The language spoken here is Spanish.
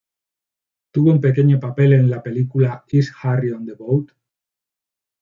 Tuvo un pequeño papel en la película "Is Harry on the boat?